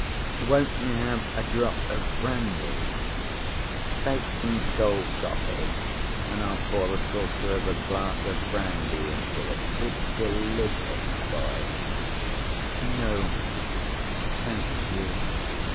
Won't you have a drop of brandy? Take some cold coffee and I'll pour a quarter of a glass of brandy into it, it's delicious, my boy." "No, thank you.